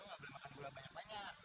eh lo gak boleh makan gula banyak banyak